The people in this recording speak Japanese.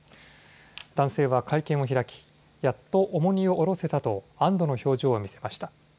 男性は会見を開きやっと重荷を下ろせたと安どの表情を見せました。